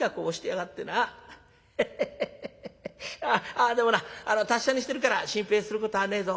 あっでもな達者にしてるから心配することはねえぞ。